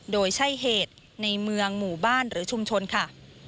โดยใช่เหตุในเมืองหมู่บ้านหรือชุมชนค่ะ